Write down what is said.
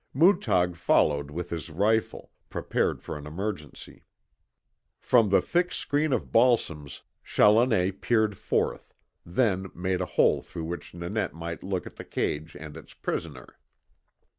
Mootag followed with his rifle, prepared for an emergency. From the thick screen of balsams Challoner peered forth, then made a hole through which Nanette might look at the cage and its prisoner.